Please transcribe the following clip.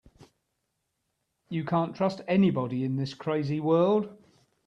You can't trust anybody in this crazy world.